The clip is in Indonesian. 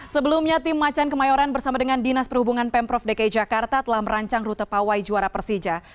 sebelumnya tim macan kemayoran bersama dengan dinas perhubungan pemprov dki jakarta telah merancang rute pawai juara persija